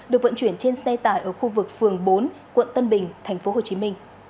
được vận chuyển trên xe tải ở khu vực phường bốn quận tân bình tp hcm